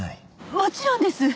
もちろんです！